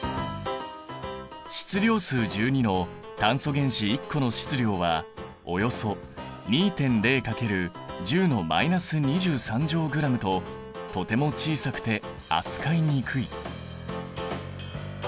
質量数１２の炭素原子１個の質量はおよそ２．０×１０の−２３乗ｇととても小さくて扱いにくい。